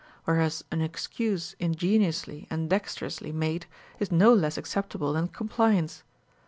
Whereas an excuse ingeniously and dexterously made is no less acceptable than compliance.